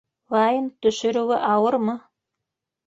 Вайн төшөрөүе ауырмы?